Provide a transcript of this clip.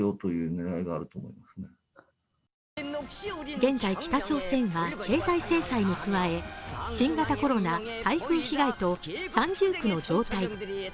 現在、北朝鮮は経済制裁に加え、新型コロナ、台風被害と三重苦の状態。